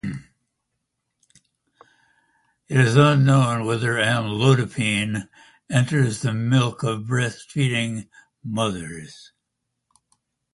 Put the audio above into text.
It is unknown whether amlodipine enters the milk of breastfeeding mothers.